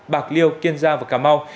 bạc liêu kiên giang và cà mau